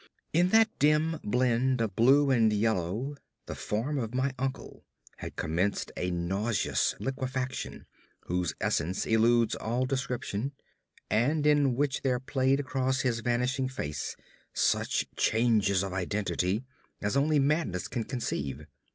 In that dim blend of blue and yellow the form of my uncle had commenced a nauseous liquefaction whose essence eludes all description, and in which there played across his vanishing face such changes of identity as only madness can conceive.